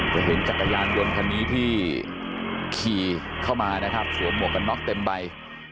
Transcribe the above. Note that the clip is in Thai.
จะเห็นจักรยานยนต์คันนี้ที่ขี่เข้ามานะครับสวมหมวกกันน็อกเต็มใบ